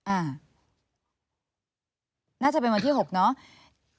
อ่าน่าจะเป็นวันที่๖เนาะ